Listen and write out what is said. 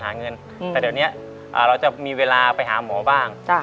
เงินแต่เดี๋ยวนี้เราจะมีเวลาไปหาหมอบ้าง